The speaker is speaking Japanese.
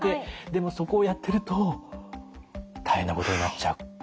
でもそこをやってると大変なことになっちゃう。